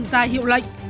ra hiệu lệnh